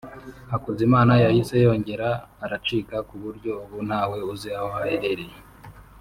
Hakuzimana yahise yongera aracika ku buryo ubu ntawe uzi aho aherereye